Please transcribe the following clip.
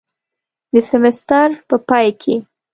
د سیمیستر په پای کې